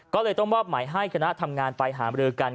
ก็เลยต้องมอบหมายให้คณะทำงานไปหามรือกัน